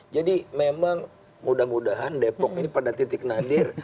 jadi memang mudah mudahan depok ini pada titik nadir